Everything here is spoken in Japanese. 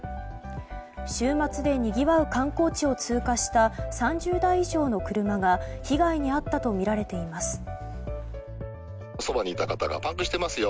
週末でにぎわう観光地を通過した３０台以上の車が被害に遭ったとみられています。